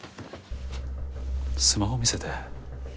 スマホ見せて。